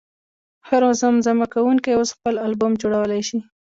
هر زمزمه کوونکی اوس خپل البوم جوړولی شي.